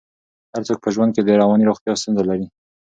هر څوک په ژوند کې د رواني روغتیا ستونزه لري.